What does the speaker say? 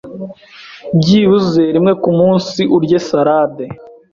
Byibuze rimwe ku munsi urye salad